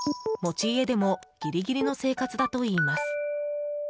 持ち家でもギリギリの生活だといいます。